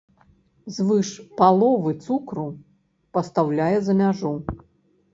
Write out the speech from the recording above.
Звыш паловы цукру пастаўляе за мяжу.